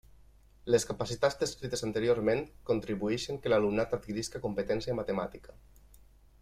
Les capacitats descrites anteriorment contribuïxen que l'alumnat adquirisca competència matemàtica.